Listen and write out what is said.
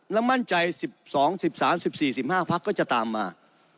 และมั่นใจ๑๒๑๓๑๔๑๕พักก็จะตามมา